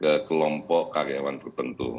ke kelompok karyawan tertentu